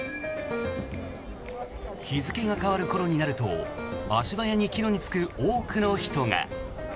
日付が変わる頃になると足早に帰路に就く多くの人が。